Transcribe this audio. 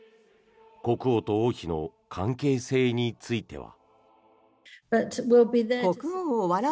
国王と王妃の関係性については。